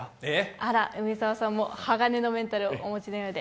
あら、梅澤さんも鋼のメンタルをお持ちのようで。